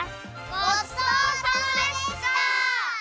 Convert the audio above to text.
ごちそうさまでした！